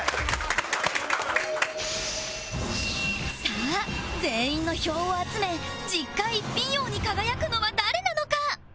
さあ全員の票を集め実家一品王に輝くのは誰なのか？